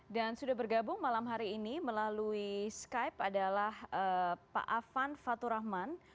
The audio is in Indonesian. dan sudah bergabung malam hari ini melalui skype adalah pak afan faturahman